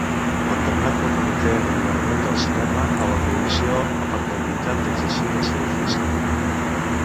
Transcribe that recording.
Condemnat pel Comitè d'Alliberament del Cinema a la prohibició a perpetuïtat d'exercir el seu ofici.